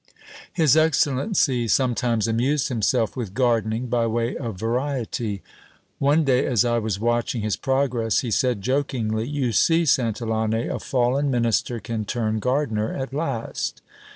His excellency sometimes amused himself with gardening, by way of variety. One day as I was watching his progress, he said jokingly : You see, Santillane, a fallen minister can turn gardener at last.